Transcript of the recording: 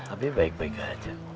abi baik baik aja